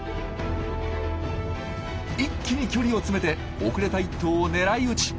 一気に距離を詰めて遅れた１頭を狙い撃ち。